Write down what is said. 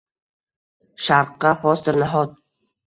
Sharqqa xosdir, nahot?